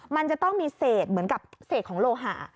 มันจะต้องมีเศษเหมือนกับเศษของโลหะ